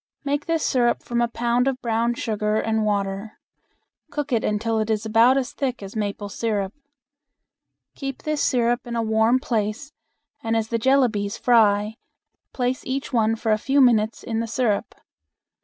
Make this syrup from a pound of brown sugar and water. Cook it until it is about as thick as maple syrup. Keep this syrup in a warm place and as the jellabies fry place each one for a few minutes in the syrup.